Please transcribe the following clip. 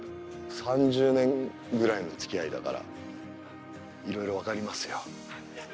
３０年ぐらいの付き合いだからいろいろ分かりますよ。